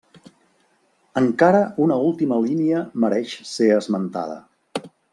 Encara una última línia mereix ser esmentada.